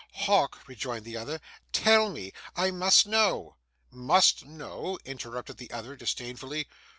'Hawk,' rejoined the other, 'tell me; I must know.' 'MUST know,' interrupted the other disdainfully.